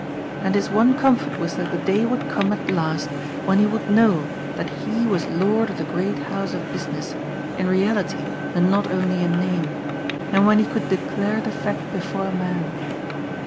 And his one comfort was that the day would come at last, when he would know that he was lord of the great house of business, in reality and not only in name, and when he could declare the fact before men.